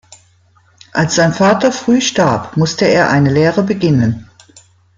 Als sein Vater früh starb, musste er eine Lehre beginnen.